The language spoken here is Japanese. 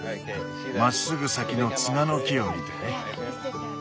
まっすぐ先のツガの木を見て。